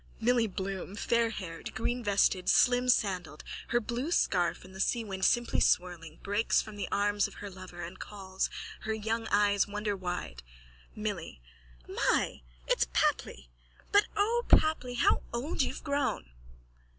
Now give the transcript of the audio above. _(Milly Bloom, fairhaired, greenvested, slimsandalled, her blue scarf in the seawind simply swirling, breaks from the arms of her lover and calls, her young eyes wonderwide.)_ MILLY: My! It's Papli! But, O Papli, how old you've grown!